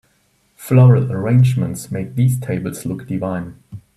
Floral arrangements make these tables look divine.